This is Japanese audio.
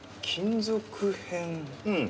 うん。